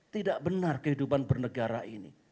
tidak benar kehidupan bernegara ini